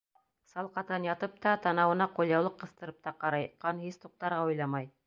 Салҡатан ятып та, танауына ҡульяулыҡ ҡыҫтырып та ҡарай, ҡан һис туҡтарға уйламай.